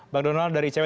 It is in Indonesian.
bang donald dari icw